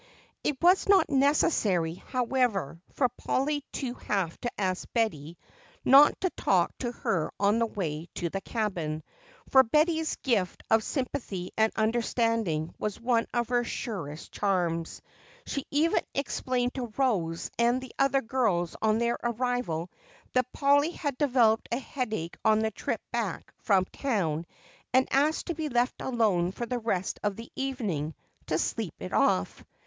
It was not necessary, however, for Polly to have to ask Betty not to talk to her on their way to the cabin, for Betty's gift of sympathy and understanding was one of her surest charms. She even explained to Rose and the other girls on their arrival that Polly had developed a headache on the trip back from town and asked to be left alone for the rest of the evening to sleep it off.